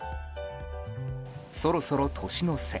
そろそろ年の瀬。